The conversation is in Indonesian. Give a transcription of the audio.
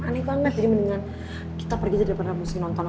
aneh banget jadi mendingan kita pergi depan rempunsi nonton